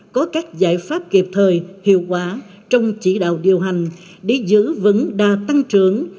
có các giải pháp kịp thời hiệu quả trong chỉ đạo điều hành để giữ vững đa tăng trưởng